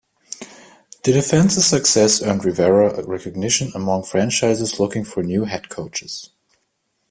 The defense's success earned Rivera recognition among franchises looking for new head coaches.